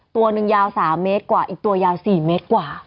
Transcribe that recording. ตัวหนึ่งยาว๓เมตรกว่าอีกตัวยาว๔เมตรกว่า